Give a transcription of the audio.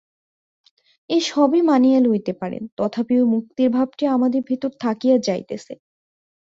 এ-সবই মানিয়া লইতে পারেন, তথাপি ঐ মুক্তির ভাবটি আমাদের ভিতর থাকিয়া যাইতেছে।